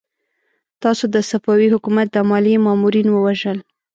تاسو د صفوي حکومت د ماليې مامورين ووژل!